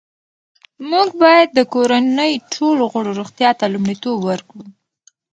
موږ باید د کورنۍ ټولو غړو روغتیا ته لومړیتوب ورکړو